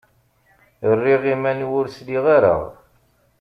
Rriɣ iman-iw ur sliɣ ara.